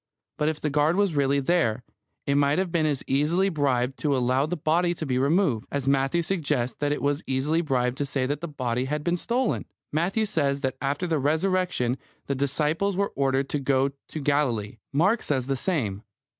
But if the guard was really there, it might have been as easily bribed to allow the body to be removed, as Matthew suggests that it was easily bribed to say that the body had been stolen. Matthew says that after the Resurrection the disciples were ordered to go to Galilee. Mark says the same.